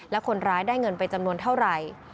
และคนร้ายได้เงินไปจำนวนเท่าไหร่